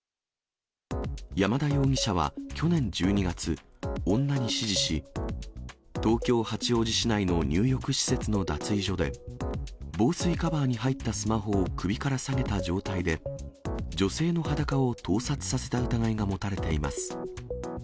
山田容疑者は去年１２月、女に指示し、東京・八王子市内の入浴施設の脱衣所で、防水カバーに入ったスマホを首から下げた状態で、女性の裸を盗撮させた疑いが持たれています。